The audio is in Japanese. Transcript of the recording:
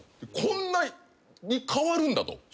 こんなに変わるんだと。